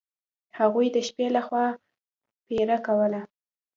هغوی د شپې له خوا پیره کوله.